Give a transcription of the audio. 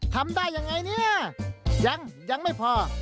ทำได้ยังไงเนี่ยยังยังไม่พอ